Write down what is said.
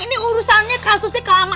ini urusannya kasusnya kelaminan